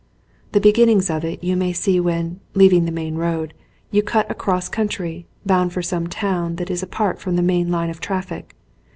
The beginnings of it you may see when, leaving the main road you cut across coun try, bound for some town that is apart from the main line of traffic.